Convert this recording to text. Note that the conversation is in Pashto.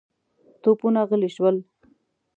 توپونه غلي شول.